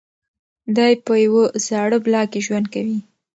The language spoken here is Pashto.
دی په یوه زاړه بلاک کې ژوند کوي.